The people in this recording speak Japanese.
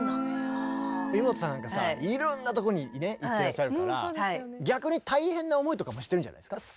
イモトさんなんかさいろんなとこにね行ってらっしゃるから逆に大変な思いとかもしてるんじゃないですか？